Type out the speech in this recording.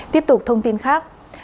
tiếp tục thông tin khác